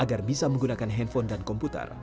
agar bisa menggunakan handphone dan komputer